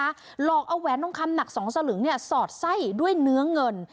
หลอกเอาแหวนทองคำหนัก๒สลึงสอดไส้ด้วยเนื้อเงิน